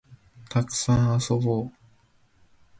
たくさん遊ぼう